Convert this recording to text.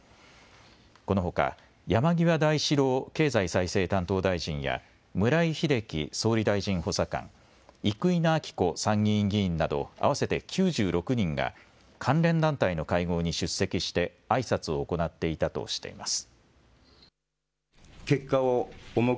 このほか山際大志郎経済再生担当大臣や村井英樹総理大臣補佐官、生稲晃子参議院議員など合わせて９６人が関連団体の会合に出席してあいさつを行っていたとしています。